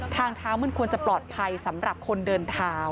ทางเท้ามันควรจะปลอดภัยสำหรับคนเดินเท้า